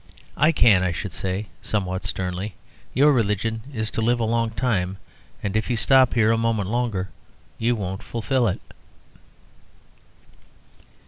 "I can," I should say, somewhat sternly. "Your religion is to live a long time; and if you stop here a moment longer you won't fulfil it."